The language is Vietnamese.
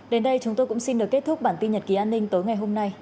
đến đây chúng tôi cũng xin được kết thúc bản tin nhật ký an ninh tối ngày hôm nay